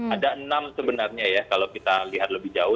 ada enam sebenarnya ya kalau kita lihat lebih jauh